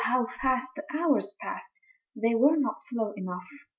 how fast the hours passed! They were not slow enough!